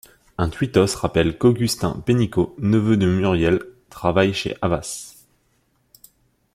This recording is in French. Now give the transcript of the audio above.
Un tweetos rappelle qu'Augustin Pénicaud, neveu de Muriel, travaille chez Havas.